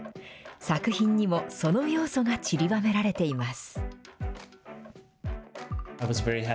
作品にも、その要素がちりばめられています。